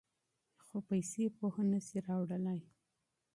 خو پیسې پوهه نه شي راوړلی.